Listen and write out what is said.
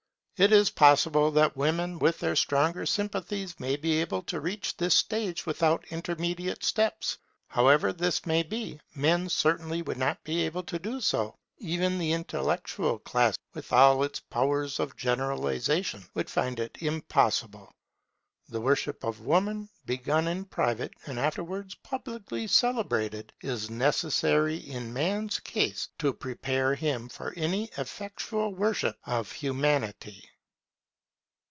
It is possible that Women with their stronger sympathies may be able to reach this stage without intermediate steps. However this may be, men certainly would not be able to do so; even the intellectual class, with all its powers of generalization, would find it impossible. The worship of Woman, begun in private, and afterwards publicly celebrated, is necessary in man's case to prepare him for any effectual worship of Humanity.